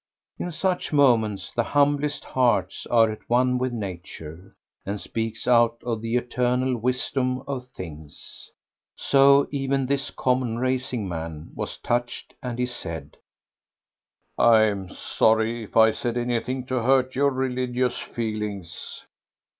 In such moments the humblest hearts are at one with nature, and speaks out of the eternal wisdom of things. So even this common racing man was touched, and he said "I'm sorry if I said anything to hurt your religious feelings."